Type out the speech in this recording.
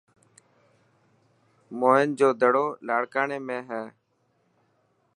موهن جو دڙو لاڻڪاڻي ۾ هي.